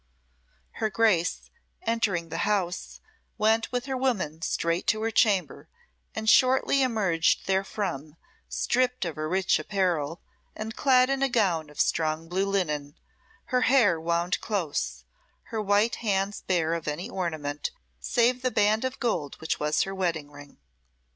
Her Grace, entering the house, went with her woman straight to her chamber, and shortly emerged therefrom, stripped of her rich apparel, and clad in a gown of strong blue linen, her hair wound close, her white hands bare of any ornament, save the band of gold which was her wedding ring.